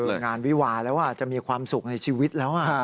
งานวิวาแล้วจะมีความสุขในชีวิตแล้ว